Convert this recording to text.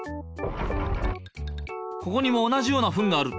ここにも同じようなフンがある。